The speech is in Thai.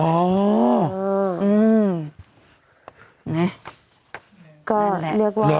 นั่นแหละ